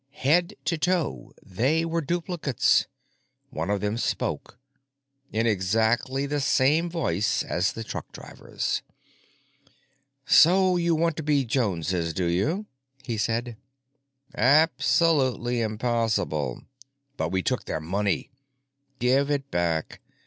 Head to toe, they were duplicates. One of them spoke—in exactly the same voice as the truckdriver's. "So you want to be Joneses, do you?" he said. "Absolutely impossible." "But we took their money." "Give it back.